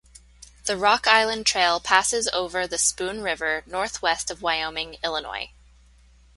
The Rock Island Trail passes over the Spoon River northwest of Wyoming, Illinois.